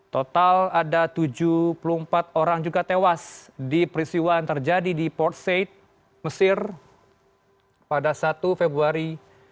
total ada tujuh puluh empat orang juga tewas di peristiwa yang terjadi di portsait mesir pada satu februari dua ribu dua puluh